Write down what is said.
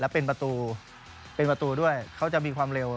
แล้วเป็นประตูด้วยเขาจะมีความเร็ว